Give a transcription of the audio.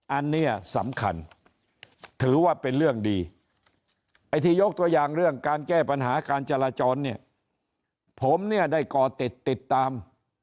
อันนี้สำคัญถือว่าเป็นเรื่องดีไอ้ที่ยกตัวอย่างเรื่องการแก้ปัญหาการจราจรเนี่ยผมเนี่ยได้ก่อติดติดตาม